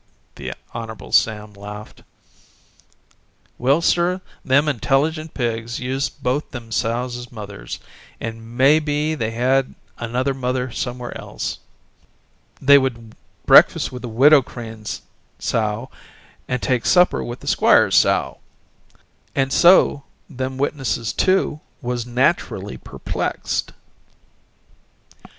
The Hon. Sam laughed: "Well, sir, them intelligent pigs used both them sows as mothers, and may be they had another mother somewhere else. They would breakfast with the Widow Crane's sow and take supper with the squire's sow. And so them witnesses, too, was naturally perplexed."